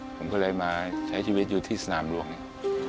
ผมก็เลยมาใช้ชีวิตอยู่ที่สนามหลวงเนี่ย